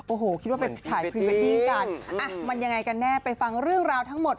โอ้โหคิดว่าไปถ่ายพรีเวดดิ้งกันอ่ะมันยังไงกันแน่ไปฟังเรื่องราวทั้งหมด